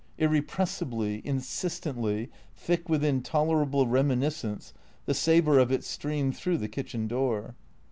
(Irrepressibly, insistently, thick with intolerable reminiscence, the savour of it streamed through the kitchen door.)